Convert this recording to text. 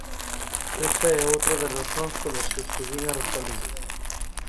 E esa é outra das razóns polas que escollín a Rosalía.